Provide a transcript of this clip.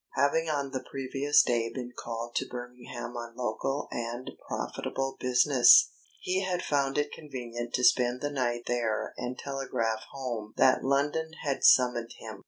Having on the previous day been called to Birmingham on local and profitable business, he had found it convenient to spend the night there and telegraph home that London had summoned him.